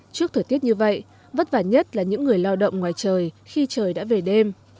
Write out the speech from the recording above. trước thời tiết như vậy vất vả nhất là những người lao động ngoài trời khi trời đã về đêm